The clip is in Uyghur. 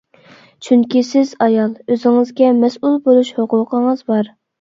چۈنكى سىز ئايال، ئۆزىڭىزگە مەسئۇل بولۇش ھوقۇقىڭىز بار.